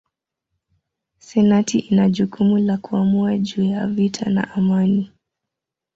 Senati ina jukumu la kuamua juu ya vita na amani.